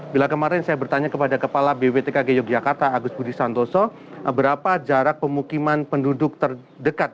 bila kemarin saya bertanya kepada kepala bwtkg yogyakarta agus budi santoso berapa jarak pemukiman penduduk terdekat